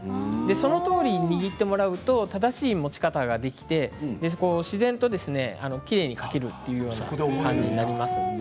そのとおりに握ってもらうと正しい持ち方ができて自然ときれいに書けるというような感じになりますので。